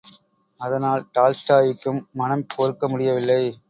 அதனால் டால்ஸ்டாயிக்கும் மனம் பொறுக்க முடியவில்லை.